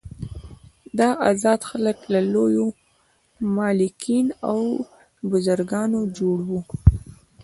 دا آزاد خلک له لویو مالکین او بزګرانو جوړ وو.